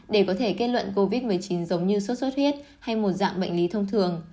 để có thể kết luận covid một mươi chín giống như sốt sốt huyết hay một dạng bệnh lý thông thường